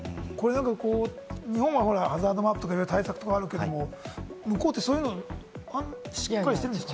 日本はハザードマップなど対策あるけれども、向こうはそういうのしっかりしてるんですか？